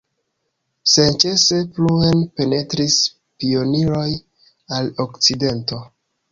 Senĉese pluen penetris pioniroj al okcidento.